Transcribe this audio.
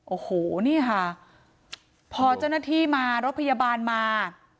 โอ้โหนี่ค่ะพอเจ้าหน้าที่มารถพยาบาลมา